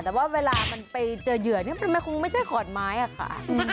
แต่ว่าเวลามันไปเจอเหยื่อเนี่ยมันคงไม่ใช่ขอนไม้อะค่ะ